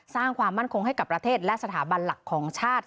สร้างความมั่นคงให้กับประเทศและสถาบันหลักของชาติ